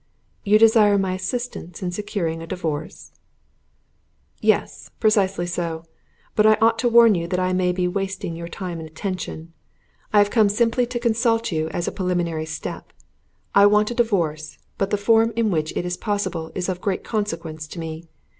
"You desire my assistance in securing a divorce?" "Yes, precisely so; but I ought to warn you that I may be wasting your time and attention. I have come simply to consult you as a preliminary step. I want a divorce, but the form in which it is possible is of great consequence to me.